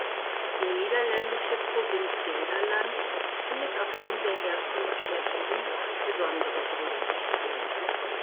Die niederländische Provinz Gelderland findet aufgrund der Herkunft der Band besondere Berücksichtigung.